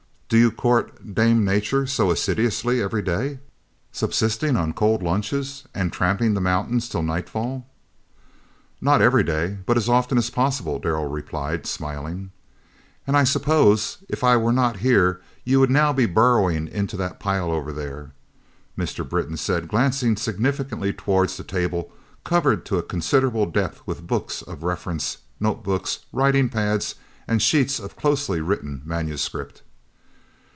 "Do you court Dame Nature so assiduously every day, subsisting on cold lunches and tramping the mountains till nightfall?" "Not every day, but as often as possible," Darrell replied, smiling. "And I suppose if I were not here you would now be burrowing into that pile over there?" Mr. Britton said, glancing significantly towards the table covered to a considerable depth with books of reference, note books, writing pads, and sheets of closely written manuscript.